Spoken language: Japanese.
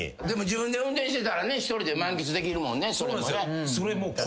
でも自分で運転してたらね一人で満喫できるもんねそれも。